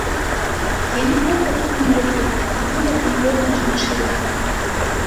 Я нікога тут не люблю, нават ніводнай жанчыны.